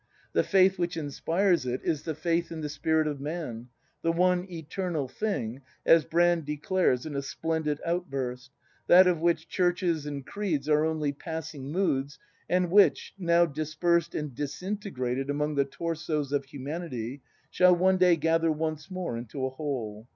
The faith which inspires it is the faith in the spirit of man — "the one eternal thing," as Brand declares in a splendid outburst, that of which churches and creeds are only passing moods, and which, now dispersed and disintegrated among the torsos of humanity, shall one day gather once more into a whole.